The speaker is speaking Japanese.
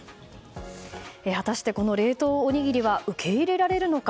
果たして、この冷凍おにぎりは受け入れられるのか。